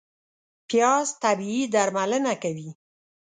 پیاز طبیعي درملنه کوي